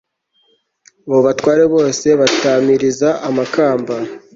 abo batware bose batamiriza amakamba